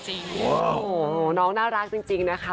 โอ้โหน้องน่ารักจริงนะคะ